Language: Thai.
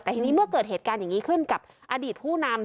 แต่ทีนี้เมื่อเกิดเหตุการณ์อย่างนี้ขึ้นกับอดีตผู้นำ